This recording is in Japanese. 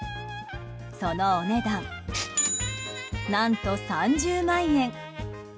そのお値段、何と３０万円。